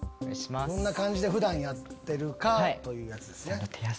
どんな感じで普段やってるかというやつですね。